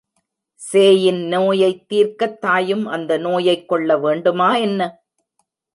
சேயின் நோயைத் தீர்க்கத் தாயும் அந்த நோயைக் கொள்ள வேண்டுமா என்ன?